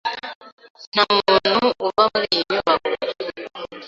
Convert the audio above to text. Nta muntu uba muri iyi nyubako.